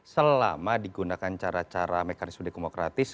selama digunakan cara cara mekanisme demokratis